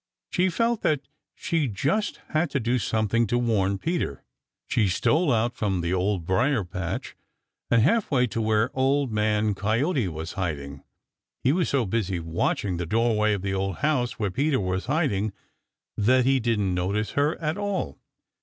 She felt that she just had to do something to warn Peter. She stole out from the dear Old Briar patch and halfway to where Old Man Coyote was hiding. He was so busy watching the doorway of the old house where Peter was hiding that he didn't notice her at all.